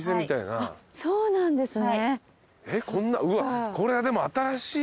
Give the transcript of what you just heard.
文具なんですね。